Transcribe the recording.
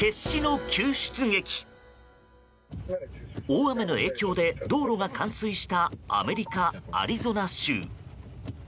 大雨の影響で道路が冠水したアメリカ・アリゾナ州。